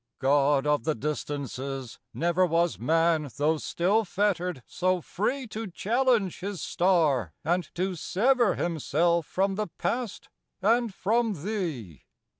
God of the Distances, never Was man, though still fettered, so free To challenge his star and to sever Himself from the past and from thee.